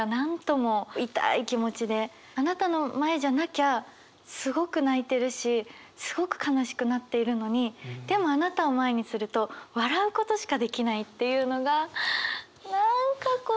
あなたの前じゃなきゃすごく泣いてるしすごく悲しくなっているのにでもあなたを前にすると笑う事しかできないっていうのが何かこう。